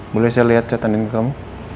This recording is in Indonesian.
boleh saya liat chat andien ke kamu